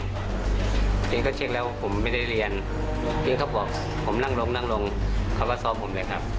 ทีนี้เขาเช็คแล้วว่าผมไม่ได้เรียนทีนี้เขาบอกว่าผมนั่งลงเขาก็ซ่อมผมเลยครับ